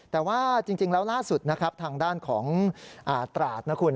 แต่ว่าจริงแล้วล่าสุดนะครับทางด้านของตราดนะคุณ